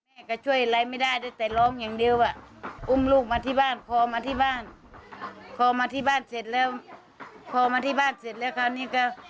แม่ก็ช่วยอะไรไม่ได้แต่ร้องอย่างเดียวอ่ะอุ้มลูกมาที่บ้านพอมาที่บ้านพอมาที่บ้านเสร็จแล้วพอมาที่บ้านเสร็จแล้วคราวนี้ก็